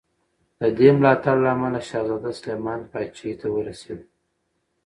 د دې ملاتړ له امله شهزاده سلیمان پاچاهي ته ورسېد.